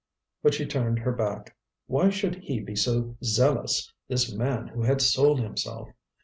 But she turned her back. Why should he be so zealous, this man who had sold himself?